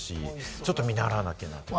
ちょっと見習わなきゃなって。